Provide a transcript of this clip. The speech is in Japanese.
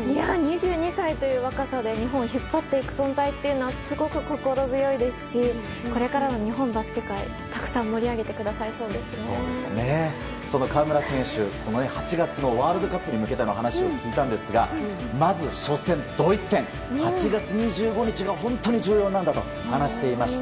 ２２歳という若さで日本を引っ張っていく存在というのはすごく心強いですしこれからの日本バスケ界をたくさんその河村選手８月のワールドカップに向けての話を聞いたんですがまず初戦、ドイツ戦。８月２５日が本当に重要なんだと話していました。